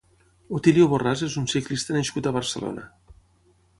Otilio Borrás és un ciclista nascut a Barcelona.